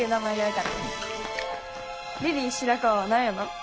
リリー白川は何やの？